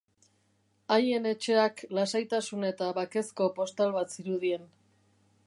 Haien etxeak lasaitasun eta bakezko postal bat zirudien.